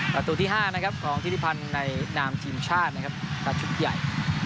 ประตูที่๕นะครับของธิริพันธ์ในนามทีมชาตินะครับนัดชุดใหญ่